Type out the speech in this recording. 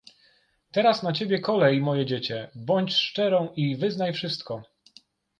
"Teraz na ciebie kolej moje dziecię, bądź szczerą i wyznaj wszystko."